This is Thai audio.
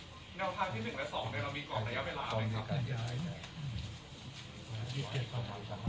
แนวทางที่๑และ๒เรามีกรอกระยะเวลาไหมครับ